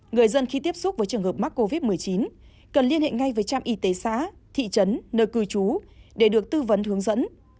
người dân khi tiếp xúc với trường hợp mắc covid một mươi chín cần liên hệ ngay với trạm y tế xã thị trấn nơi cư trú để được tư vấn hướng dẫn